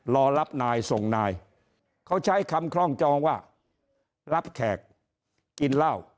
รอรับนายส่งนายเขาใช้คำคล่องจองว่ารับแขกกินเหล้า